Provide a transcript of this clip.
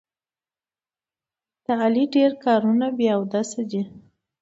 د علي ډېر کارونه بې اودسه دي.